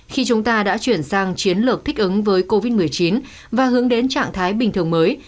khi chúng ta đã chuyển sang chiến lược thích ứng với covid một mươi chín và hướng đến trạng thái bình thường mới